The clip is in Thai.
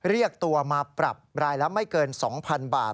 เรียกตัวมาปรับรายละไม่เกิน๒๐๐๐บาท